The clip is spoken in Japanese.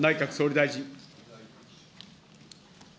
内閣総理大臣。